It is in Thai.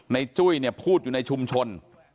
ในจุ้ยพูดอยู่ในชุมชน